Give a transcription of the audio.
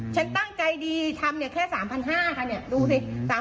ฉันตั้งใจดีทำแค่๓๕๐๐บาทนี่ดูสิ๓๕๐๐บาท